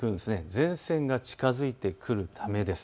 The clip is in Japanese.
前線が近づいてくるためです。